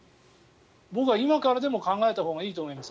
僕は今からでも考えたほうがいいと思います。